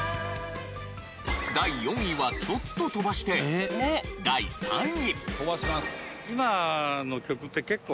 第４位はちょっと飛ばして第３位。